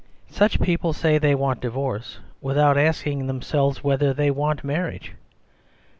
Such people say they want divorce, without asking themselves whether they want marriage.